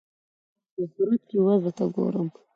په هغه صورت کې وضع ته ګورم.